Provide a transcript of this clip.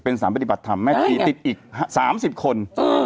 เป็นสารปฏิบัติธรรมแม่ชีติดอีก๓๐คน